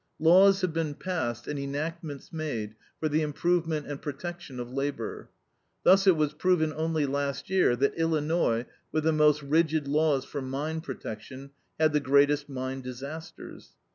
Laws have been passed and enactments made for the improvement and protection of labor. Thus it was proven only last year that Illinois, with the most rigid laws for mine protection, had the greatest mine disasters.